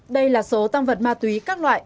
đây là số tăng vật ma túy các loại